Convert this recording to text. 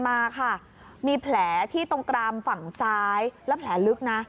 มีแผลที่ตรงกรามฝั่งซ้ายและแผลลึกนะ